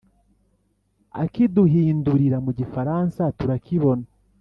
akiduhindurira mu gifaransa turakibona